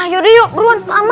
yaudah yuk beruan lama